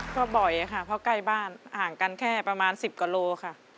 ก็บ่อยค่ะเพราะใกล้บ้านห่างกันแค่ประมาณ๑๐กว่าโลค่ะ